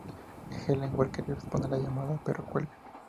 Helen Walker responde la llamada, pero cuelga.